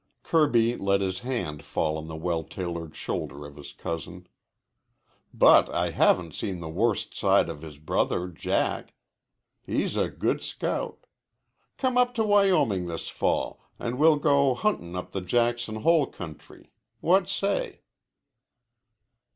Kirby let his hand fall on the well tailored shoulder of his cousin. "But I haven't seen the worst side of his brother Jack. He's a good scout. Come up to Wyoming this fall an' we'll go huntin' up in the Jackson Hole country. What say?"